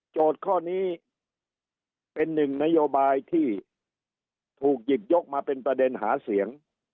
ข้อนี้เป็นหนึ่งนโยบายที่ถูกหยิบยกมาเป็นประเด็นหาเสียง